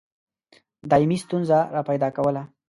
دایمي ستونزه را پیدا کوله.